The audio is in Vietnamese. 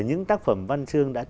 những tác phẩm văn chương